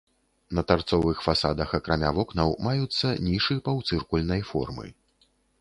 На тарцовых фасадах акрамя вокнаў маюцца нішы паўцыркульнай формы.